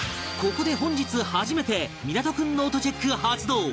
ここで本日初めて湊君ノートチェック発動！